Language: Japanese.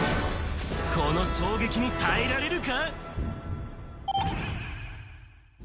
この衝撃に耐えられるか？